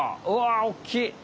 おっきい！